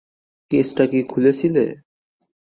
কেসটা কি খুলেছিলে?